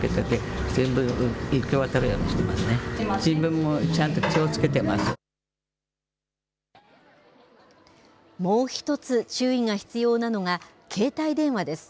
もう一つ、注意が必要なのが携帯電話です。